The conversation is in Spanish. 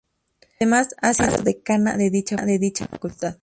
Además, ha sido decana de dicha facultad.